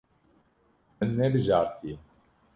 Min nebijartiye.